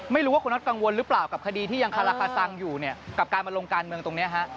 ไม่รู้ว่าคุณน็อตกังวลหรือเปล่ากับคดีที่ยังคาราคาซังอยู่เนี่ยกับการมาลงการเมืองตรงนี้ฮะ